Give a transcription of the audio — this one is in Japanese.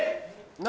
・何？